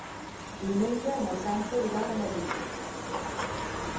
Diumenge na Sança irà a Marines.